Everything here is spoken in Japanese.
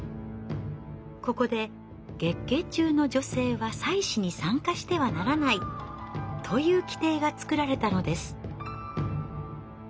ここで「月経中の女性は祭祀に参加してはならない」という規定がつくられたのです。